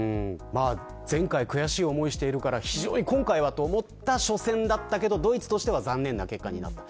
前回、悔しい思いをしているから今回はと思った初戦だったけどドイツとしては残念な結果でした。